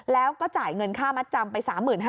แล้วก็จ่ายเงินค่ามัดจำไป๓๕๐๐